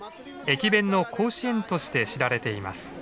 駅弁の甲子園として知られています。